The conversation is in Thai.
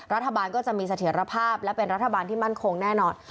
รัฐบาลก็จะมีเสถียรภาพและเป็นรัฐบาลที่มั่นคงแน่นอน